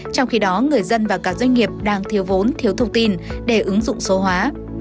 trong khi đó người dân và các doanh nghiệp đang thiếu vốn thiếu thông tin để ứng dụng số hóa